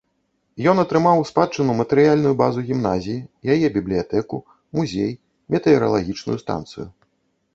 Ён атрымаў у спадчыну матэрыяльную базу гімназіі, яе бібліятэку, музей, метэаралагічную станцыю.